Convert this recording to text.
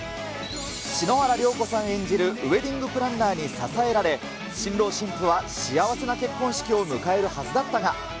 篠原涼子さん演じる、ウエディングプランナーに支えられ、新郎新婦は幸せな結婚式を迎えるはずだったが。